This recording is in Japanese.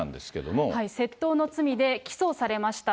窃盗の罪で起訴されました。